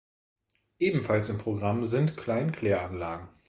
Ebenfalls im Programm sind Kleinkläranlagen.